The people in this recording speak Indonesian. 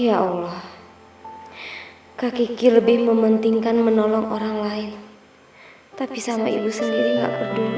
ya allah kakiki lebih mementingkan menolong orang lain tapi sama ibu sendiri nggak peduli